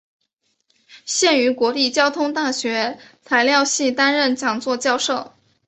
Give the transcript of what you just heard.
现于国立交通大学材料系担任讲座教授。